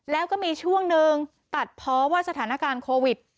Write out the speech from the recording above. แล้วก็มีช่วงนึงตัดเพราะว่าสถานการณ์โควิด